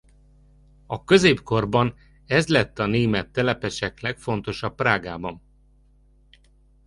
A középkorban ez lett a német telepesek legfontosabb Prágában.